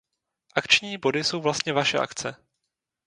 Akční body jsou vlastně vaše akce.